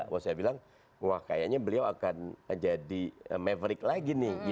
wah saya bilang wah kayaknya beliau akan jadi maverick lagi nih